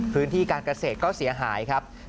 พื้นที่การเกษตรก็เสียหายครับ